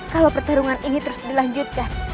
kalau pertarungan ini terus dilanjutkan